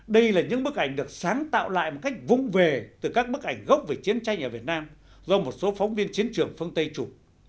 đây là những bức ảnh được sáng tạo lại một cách vung về từ các bức ảnh gốc về chiến tranh ở việt nam do một số phóng viên chiến trường phương tây chủ